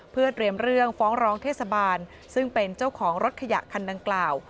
เพื่อเตรียมเรื่องฟ้องร้องเทศบาลซึ่งเป็นเจ้าของรถขยะคันดังกล่าว